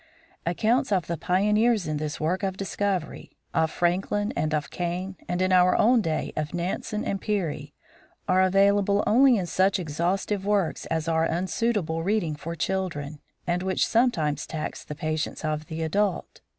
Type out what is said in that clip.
Accounts of the pioneers in this work of discovery, of Franklin and of Kane, and in our own day of Nansen and Peary, are available only in such exhaustive works as are unsuitable reading for children, and which some times tax the patience of the adult.